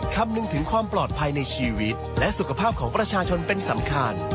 คำนึงถึงความปลอดภัยในชีวิตและสุขภาพของประชาชนเป็นสำคัญ